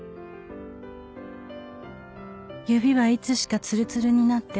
「指はいつしかつるつるになって」